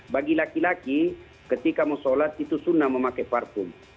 bagi laki laki ketika mau sholat itu sunnah memakai parfum